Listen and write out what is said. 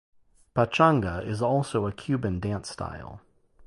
Pachanga is also a Cuban dance style.